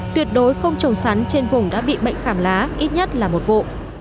tuyệt đối không trồng sắn trên vùng đã bị bệnh khảm lá ít nhất là một vụ